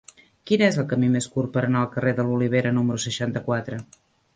Quin és el camí més curt per anar al carrer de l'Olivera número seixanta-quatre?